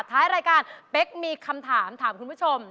ท้ายรายการเป๊กมีคำถามถามคุณผู้ชม